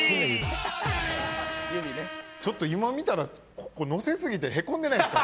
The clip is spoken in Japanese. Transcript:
ちょっと今見たらここのせすぎてへこんでないですか？